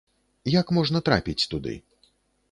Як можна трапіць туды?